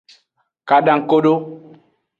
Kadakodo.